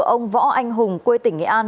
ông võ anh hùng quê tỉnh nghệ an